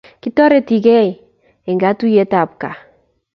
Kitoretigei eng katuiyet ab kaa